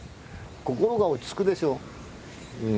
心が落ち着くでしょう。